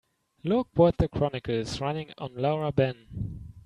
Look what the Chronicle is running on Laura Ben.